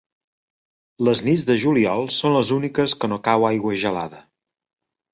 Les nits de juliol són les úniques que no cau aigua gelada.